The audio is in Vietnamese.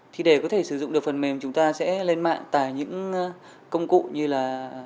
thì để có thể sử dụng được phần mềm chúng ta sẽ lên mạng tải những công cụ như là